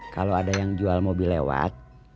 kalau ada yang jual mobil lewat